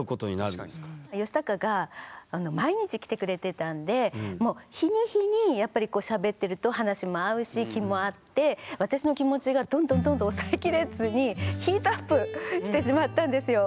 ヨシタカが毎日来てくれてたんでもう日に日にやっぱりこうしゃべってると話も合うし気も合って私の気持ちがどんどんどんどん抑えきれずにヒートアップしてしまったんですよ。